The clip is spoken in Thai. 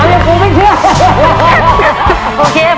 เป็นนักผู้บอลชาวอุรกวัยนะครับ